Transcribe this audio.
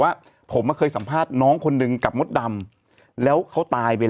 ว่าผมมาเคยสัมภาษณ์น้องคนหนึ่งกับมดดำแล้วเขาตายไปแล้ว